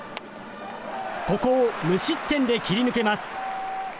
ここを無失点で切り抜けます。